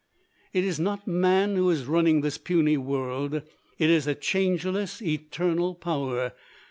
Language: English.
It is not man who is running this puny world; it is a changeless, eternal Power.